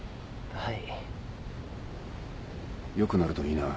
はい。